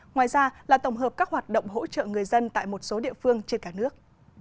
ngoài ra là tổng hợp các hoạt động hỗ trợ người dân tại một số địa phương trên cả nước